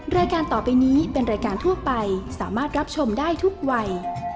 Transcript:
รายการต่อไปนี้เป็นรายการทั่วไปสามารถรับชมได้ทุกวัย